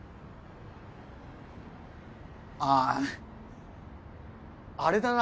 ああれだな。